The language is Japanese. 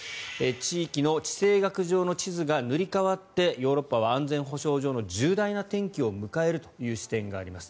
地域の地政学上の地図が塗り替わってヨーロッパは安全保障上の重大な転機を迎えるという視点があります。